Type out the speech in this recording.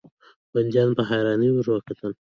بنديانو په حيرانۍ ورته کتل.